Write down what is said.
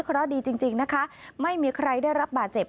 เพราะดีจริงนะคะไม่มีใครได้รับบาดเจ็บ